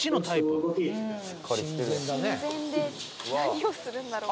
「神前で何をするんだろう？」